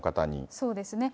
そうですね。